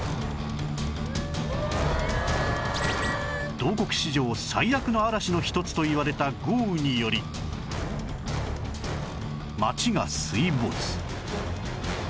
同国史上最悪の嵐の一つといわれた豪雨により街が水没